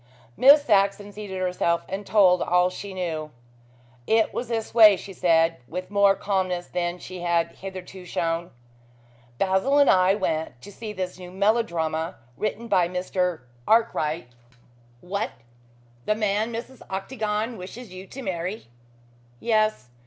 Miss Saxon seated herself and told all she knew. "It was this way," she said, with more calmness than she had hitherto shown. "Basil and I went to see this new melodrama written by Mr. Arkwright " "What? The man Mrs. Octagon wishes you to marry?" "Yes.